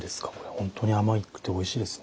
本当に甘くておいしいですね。